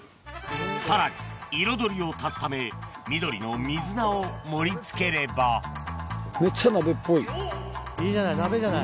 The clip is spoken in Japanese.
さらに彩りを足すため緑の水菜を盛り付ければいいじゃない鍋じゃない。